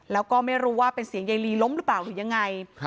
แล้วก็ไม่รู้ว่าเป็นเสียงยายลีล้มหรือเปล่าหรือยังไง